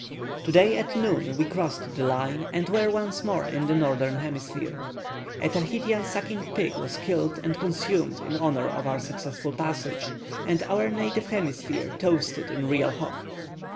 Today at noon we crossed the Line, and were once more in the northern hemisphere. A Tahitian sucking pig was killed and consumed in honour of our successful passage, and our native hemisphere toasted in real hock.